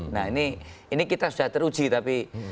nah ini kita sudah teruji tapi